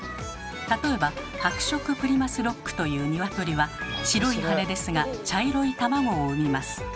例えば「白色プリマスロック」という鶏は白い羽ですが茶色い卵を産みます。